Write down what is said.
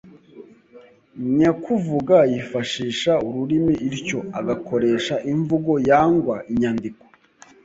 Nyakuvuga yifashisha ururimi ityo agakoresha imvugo yangwa inyandiko